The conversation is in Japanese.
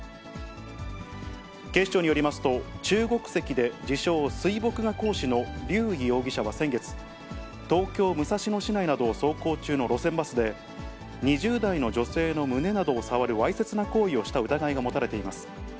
警視庁によりますと、中国籍で自称、水墨画講師の劉偉容疑者は先月、東京・武蔵野市内などを走行中の路線バスで、２０代の女性の胸などを触るわいせつな行為をした疑いが持たれています。